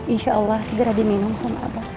insya allah segera diminum